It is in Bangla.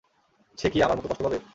সে কী আমার মতো কষ্ট পাবে?